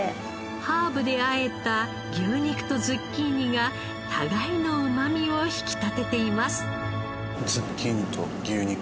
ハーブであえた牛肉とズッキーニが互いのうまみを引き立てています。